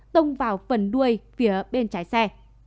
tông vào phần đuôi phía bên trái xe